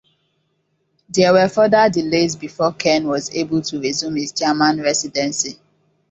There were further delays before Kern was able to resume his German residency.